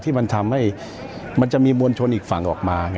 ที่มันทำให้มันจะมีมวลชนอีกฝั่งออกมา